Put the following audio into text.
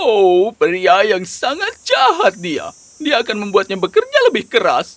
oh pria yang sangat jahat dia dia akan membuatnya bekerja lebih keras